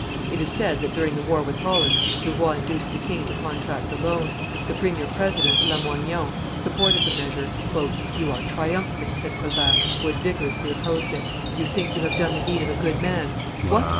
It is said that, during the war with Holland, Louvois induced the king to contract a loan; the premier president, Lamoignon, supported the measure. "You are triumphant," said Colbert, who had vigorously opposed it; "you think you have done the deed of a good man; what!